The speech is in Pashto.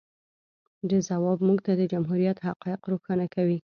د ځواب موږ ته د جمهوریت حقایق روښانه کوي.